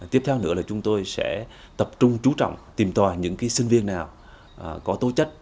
tiếp theo nữa là chúng tôi sẽ tập trung trú trọng tìm tòa những sinh viên nào có tố chất